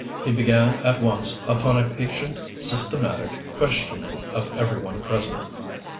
He began at once upon a patient, systematic questioning of every one present.